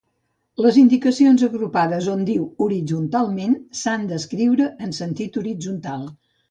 Les indicacions agrupades on diu horitzontalment s'han d'escriure en sentit horitzontal.